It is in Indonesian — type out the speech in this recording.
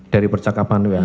dari percakapan wa